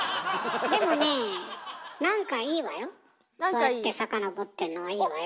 そうやって遡ってんのはいいわよ。